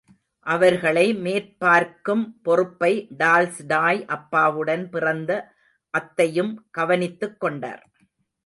அவர்களை மேற்பார்க்கும் பொறுப்பை டால்ஸ்டாய் அப்பாவுடன் பிறந்த அத்தையும் கவனித்துக் கொண்டார்.